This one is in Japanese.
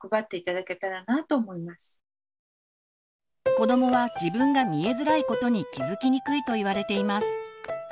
子どもは自分が「見えづらい」ことに気づきにくいといわれています。